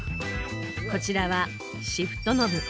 こちらはシフトノブ。